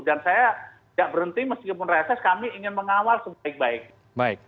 dan saya tidak berhenti meskipun reses kami ingin mengawal sebaik baik